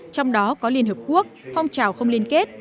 trong đó có liên hợp quốc phong trào không liên kết